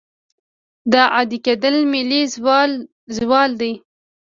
دا عادي کېدل ملي زوال دی.